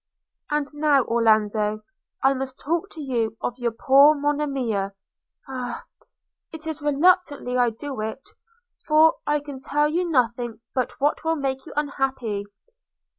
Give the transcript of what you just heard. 'And now, Orlando, must I talk to you of your poor Monimia – Ah! it is reluctantly I do it; for I can tell you nothing but what will make you unhappy.